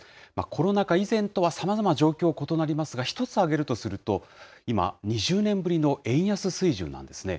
コロナ禍以前とはさまざま状況、異なりますが、一つ挙げるとすると、今、２０年ぶりの円安水準なんですね。